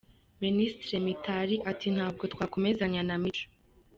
Minisitiri Mitali ati ntabwo twakomezanya na Micho.